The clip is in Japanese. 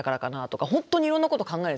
本当にいろんなこと考えるんですよね。